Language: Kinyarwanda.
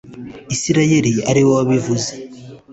Isirayeli ari we wabivuze